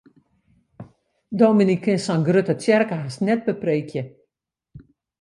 Dominy kin sa'n grutte tsjerke hast net bepreekje.